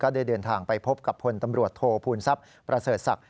ได้เดินทางไปพบกับพลตำรวจโทษภูมิทรัพย์ประเสริฐศักดิ